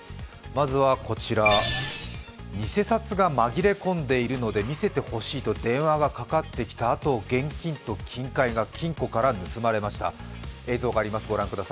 まずはこちら、偽札が紛れ込んでいるので、見せてほしいと電話がかかってきたあと、現金と金塊が金庫から盗まれました。